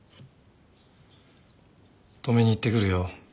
止めに行ってくるよ。